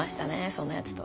そんなやつと。